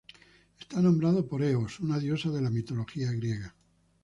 Está nombrado por Eos, una diosa de la mitología griega.